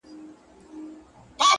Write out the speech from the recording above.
صبر د بریا د رسېدو پُل دی!